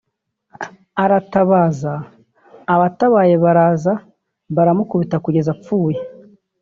aratabaza abatabaye baraza baramukubita kugeza apfuye